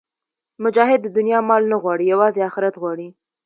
مجاهد د دنیا مال نه غواړي، یوازې آخرت غواړي.